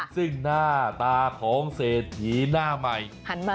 ซึ่งหน้าตาของเศรษฐีหน้าใหม่